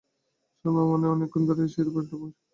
সুরমার মনেও অনেকক্ষণ ধরিয়া সেইরূপ একটা আশঙ্কা জন্মিতেছে।